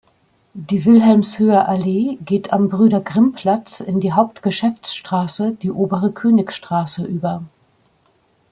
Die Wilhelmshöher Allee geht am Brüder-Grimm-Platz in die Hauptgeschäftsstraße, die Obere Königsstraße über.